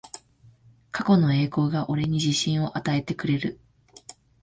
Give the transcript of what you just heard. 過去の栄光が俺に自信を与えてくれる